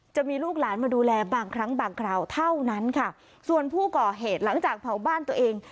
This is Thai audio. จะมีลูกหลานมาดูแลบางครั้งบางคราวเท่านั้นค่ะส่วนผู้ก่อเหตุหลังจากเผาบ้านตัวเอง